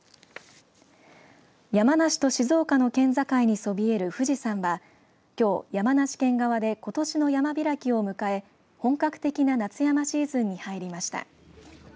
山梨と静岡の県境にそびえる富士山はきょう山梨県側でことしの山開きを迎え本格的な夏山シーズンに入りました。